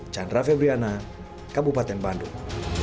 chandra febriana kabupaten bandung